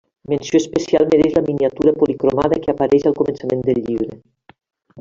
Menció especial mereix la miniatura policromada que apareix al començament del llibre.